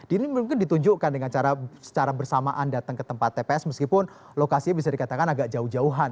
ini mungkin ditunjukkan dengan cara secara bersamaan datang ke tempat tps meskipun lokasinya bisa dikatakan agak jauh jauhan